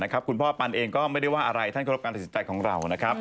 คุณพ่อปันเองก็ไม่ได้ว่าอะไรท่านเคารพการตัดสินใจของเรานะครับ